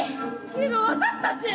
けど私たち。